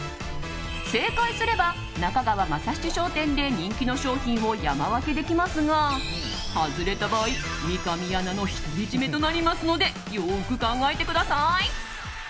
正解すれば中川政七商店で人気の商品を山分けできますが、外れた場合三上アナの独り占めとなりますのでよーく考えてください。